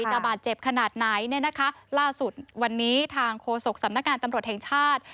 บาดเจ็บขนาดไหนเนี่ยนะคะล่าสุดวันนี้ทางโฆษกสำนักงานตำรวจแห่งชาติ